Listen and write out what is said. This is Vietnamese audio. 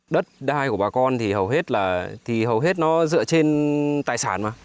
đất đai của bà con thì hầu hết nó dựa trên tài sản mà